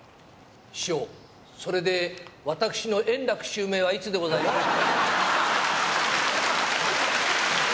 師匠、それで私の円楽襲名はいつでございますか？